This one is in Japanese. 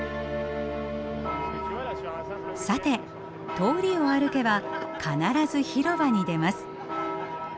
さて通りを歩けば必ず広場に出ます。